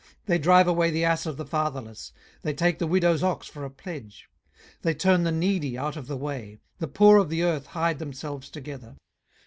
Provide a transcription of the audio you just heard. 18:024:003 They drive away the ass of the fatherless, they take the widow's ox for a pledge. 18:024:004 They turn the needy out of the way: the poor of the earth hide themselves together.